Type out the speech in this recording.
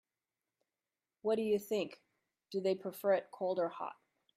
What do you think, do they prefer it cold or hot?